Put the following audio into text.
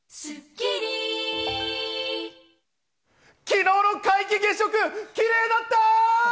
昨日の皆既月食、キレイだった！